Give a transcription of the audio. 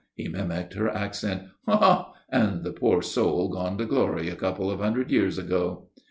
'" He mimicked her accent. "Ha! ha! And the poor soul gone to glory a couple of hundred years ago."